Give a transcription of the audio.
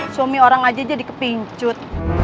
suami orang aja jadi kepincut